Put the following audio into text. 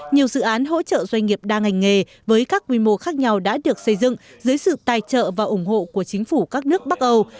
nhiều dự án hỗ trợ doanh nghiệp đa ngành nghề với các quy mô khác nhau đã được xây dựng dưới sự tài trợ và ủng hộ của chính phủ các nước bắc âu